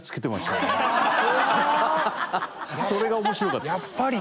それが面白かった。